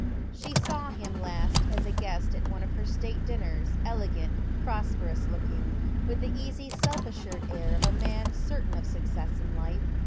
She sawhiin last as a guest atone of her state dinners, elegant, prosperous looking, with the easy, self assured air of a man ceilain of success in life.